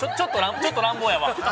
ちょっと乱暴やわ。